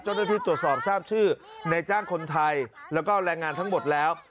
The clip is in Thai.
เจ้าหน้าที่ตรวจสอบทราบชื่อในจ้างคนไทยแล้วก็แรงงานทั้งหมดแล้ว